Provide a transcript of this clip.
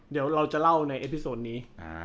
เดี๋ยวเราจะเล่าในเอพิโซนนี้